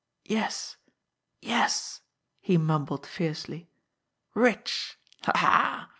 "Yes, yes!" he mumbled fiercely. "Rich ha, ha!